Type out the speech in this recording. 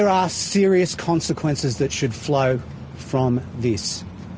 ada konsekuensi serius yang harus terjadi dari ini